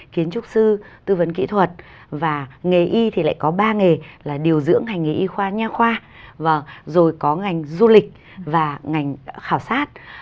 kiến trúc sư tư vấn kỹ thuật và nghề y thì lại có ba nghề là điều dưỡng hành nghề y khoa nha khoa rồi có ngành du lịch và ngành khảo sát